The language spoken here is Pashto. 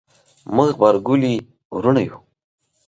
موږ غبرګولي وروڼه یو